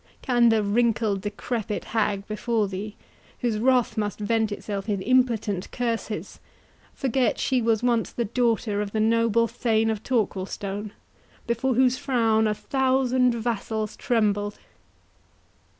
Can the wrinkled decrepit hag before thee, whose wrath must vent itself in impotent curses, forget she was once the daughter of the noble Thane of Torquilstone, before whose frown a thousand vassals trembled?"